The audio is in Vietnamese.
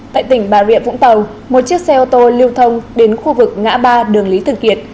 tại tỉnh bà rịa vũng tàu một chiếc xe ô tô lưu thông đến khu vực ngã ba đường lý thường kiệt